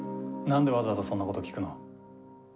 なんでわざわざそんなこと聞くの？